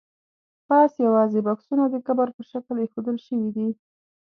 پاس یوازې بکسونه د قبر په شکل ایښودل شوي دي.